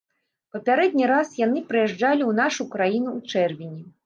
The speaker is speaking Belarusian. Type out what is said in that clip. Папярэдні раз яны прыязджалі ў нашу краіну ў чэрвені.